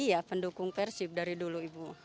iya pendukung persib dari dulu ibu